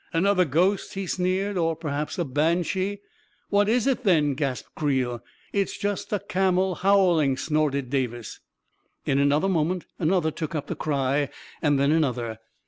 " Another ghost 1 " he sneered. " Or perhaps a banshee !"" What is it, then? " gasped Creel. " It's just a camel howling! " snorted Davis. In a moment, another took up the cry, and then another.